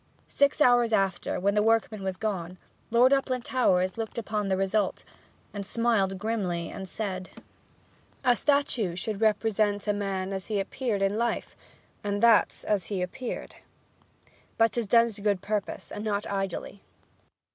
Six hours after, when the workman was gone, Lord Uplandtowers looked upon the result, and smiled grimly, and said: 'A statue should represent a man as he appeared in life, and that's as he appeared. Ha! ha! But 'tis done to good purpose, and not idly.'